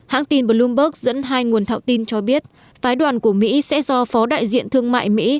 hãng tin bloomberg dẫn hai nguồn thạo tin cho biết phái đoàn của mỹ sẽ do phó đại diện thương mại mỹ